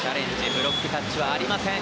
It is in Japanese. ブロックタッチはありません。